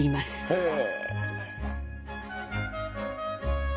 へえ！